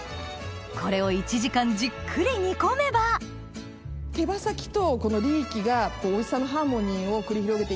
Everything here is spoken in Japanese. これを１時間じっくり煮込めば手羽先とこのリーキがおいしさのハーモニーを繰り広げて。